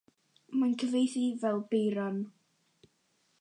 Mae'n cyfieithu fel “Beiran”.